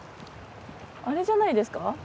あれじゃないですか？